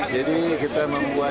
jadi kita membuat dua belas